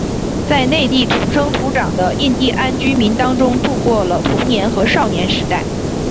在内地土生土长的印第安居民当中度过了童年和少年时代。